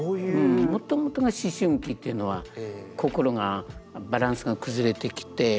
うんもともとが思春期というのは心がバランスが崩れてきて。